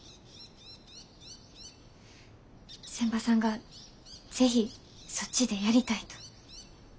仙波さんが是非そっちでやりたいと。